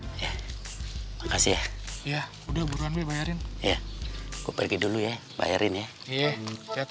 hai hai hai hai hai hai hai ya udah buruan bayarin ya gue pergi dulu ya bayarin ya iya